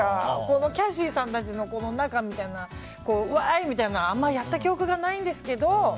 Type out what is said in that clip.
キャシーさんたちの仲みたいなワーイみたいなのあんまりやった記憶がないんですけど